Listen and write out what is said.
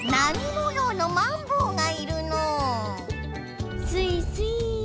もようのマンボウがいるのうすいすい。